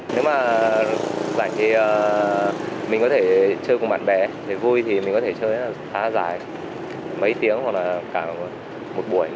nếu mà dành thì mình có thể chơi cùng bạn bè vui thì mình có thể chơi khá dài mấy tiếng hoặc cả một buổi